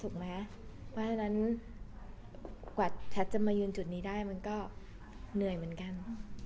เพราะฉะนั้นกว่าแพทย์จะมายืนจุดนี้ได้มันก็เหนื่อยเหมือนกัน